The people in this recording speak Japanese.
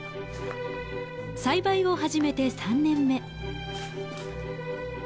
栽培を始めて３年目。